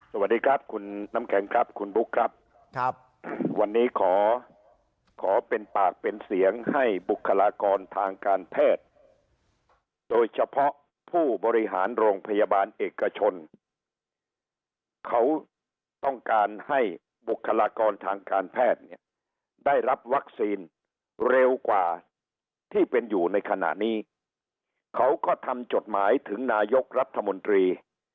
สวัสดีครับคุณน้ำแข็งครับคุณบุ๊คครับครับวันนี้ขอขอเป็นปากเป็นเสียงให้บุคลากรทางการแพทย์โดยเฉพาะผู้บริหารโรงพยาบาลเอกชนเขาต้องการให้บุคลากรทางการแพทย์เนี่ยได้รับวัคซีนเร็วกว่าที่เป็นอยู่ในขณะนี้เขาก็ทำจดหมายถึงนายกรัฐมนตรี